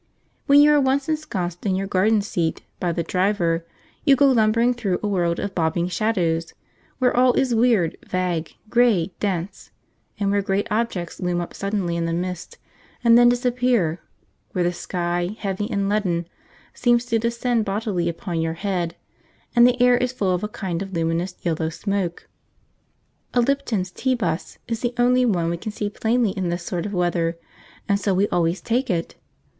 When you are once ensconced in your garden seat by the driver, you go lumbering through a world of bobbing shadows, where all is weird, vague, grey, dense; and where great objects loom up suddenly in the mist and then disappear; where the sky, heavy and leaden, seems to descend bodily upon your head, and the air is full of a kind of luminous yellow smoke. A Lipton's Tea 'bus is the only one we can see plainly in this sort of weather, and so we always take it.